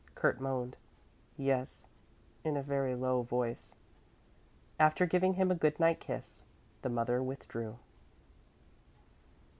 Kurt moaned "Yes" in a very low voice. After giving him a good night kiss the mother withdrew.